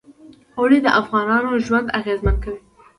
اوړي د افغانانو ژوند اغېزمن کوي.